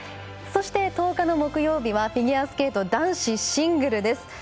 そして、１０日の木曜日はフィギュアスケート男子シングルです。